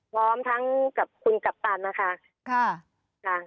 พร้อมทั้งกับคุณกัปตันนะคะ